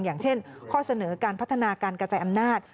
อย่างเช่นข้อเสนอการพัฒนาการกระจายอำนาจ